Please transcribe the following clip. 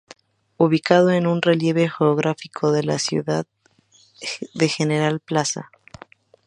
Ubicado en un relieve geográfico de la ciudad de General Plaza.